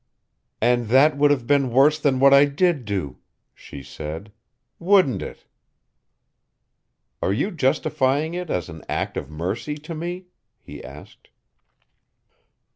"And that would have been worse than what I did do," she said, "wouldn't it?" "Are you justifying it as an act of mercy to me?" he asked.